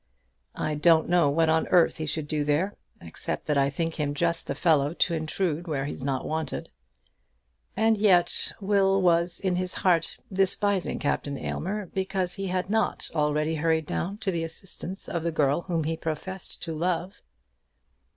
"I don't know what on earth he should do there, except that I think him just the fellow to intrude where he is not wanted." And yet Will was in his heart despising Captain Aylmer because he had not already hurried down to the assistance of the girl whom he professed to love.